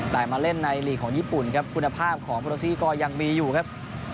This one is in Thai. แต่มาเล่นในหลีกของญี่ปุ่นครับคุณภาพของโปรซี่ก็ยังมีอยู่ครับ